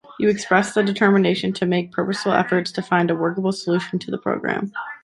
You expressed the determination to make purposeful efforts to find a workable solution to the work program.